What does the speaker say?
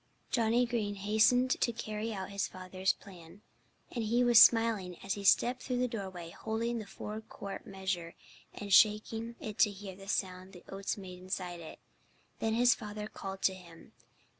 Johnnie Green hastened to carry out his father's plan. And he was smiling as he stepped through the doorway, holding the four quart measure and shaking it to hear the sound that the oats made inside it. Then his father called to him.